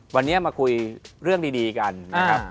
วันนี้มาคุยเรื่องดีกันนะครับ